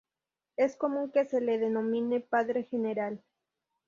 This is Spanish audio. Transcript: Es común que se le denomine Padre General.